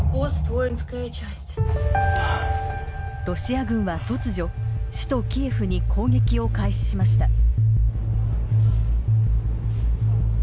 ロシア軍は突如首都キエフに攻撃を開始しました。